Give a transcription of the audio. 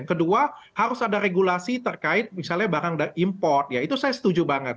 kedua harus ada regulasi terkait misalnya barang import ya itu saya setuju banget